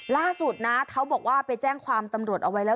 ล่าสุดนะเขาบอกว่าไปแจ้งความตำรวจเอาไว้แล้ว